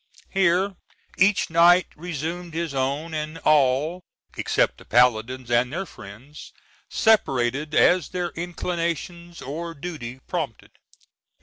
Here each knight resumed his own, and all, except the paladins and their friends, separated as their inclinations or duty prompted.